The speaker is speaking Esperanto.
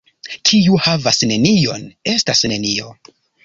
Kiu havas nenion, estas nenio.